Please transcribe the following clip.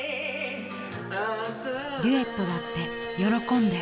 ［デュエットだって喜んで］